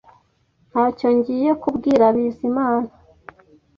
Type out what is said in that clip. Ntacyo ngiye kubwira Bizimana